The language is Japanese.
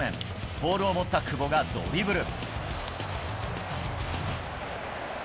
ボールを持った久保がドリブル。